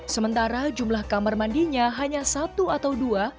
sementara jumlah kamar mandinya hanya satu atau dua